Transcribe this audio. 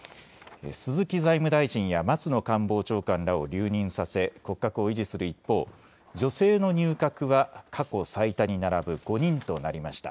鈴木財務大臣や松野官房長官らを留任させ骨格を維持する一方、女性の入閣は過去最多に並ぶ５人となりました。